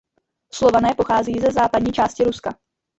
Slované pochází ze západní části Ruska.